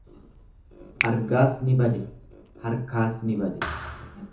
Argaas ni bade, harkaas ni bade.